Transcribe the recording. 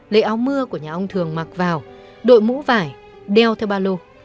lấy áo mưa của nhà ông thường mặc vào đội mũ vải đeo theo ba lô